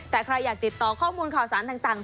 แต่ใครอยากติดต่อข้อมูลข่าวสารต่าง